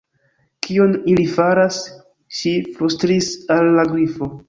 "Kion ili faras?" ŝi flustris al la Grifo.